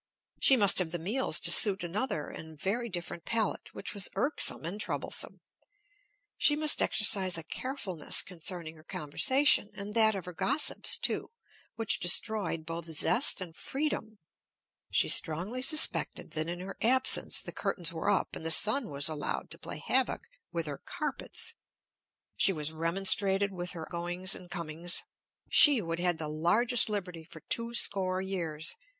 She must have the meals to suit another and very different palate, which was irksome and troublesome. She must exercise a carefulness concerning her conversation, and that of her gossips, too, which destroyed both zest and freedom. She strongly suspected that in her absence the curtains were up and the sun was allowed to play havoc with her carpets. She was remonstrated with on her goings and comings, she who had had the largest liberty for two score years.